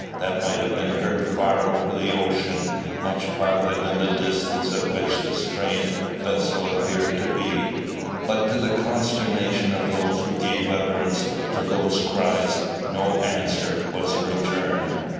that might have been heard far over the ocean, much farther than the distance at which the strange vessel appeared to be; but, to the consternation of those who gave utterance to those cries, no answer was returned.